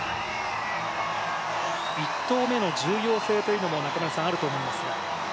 １投目の重要性というのもあると思いますが。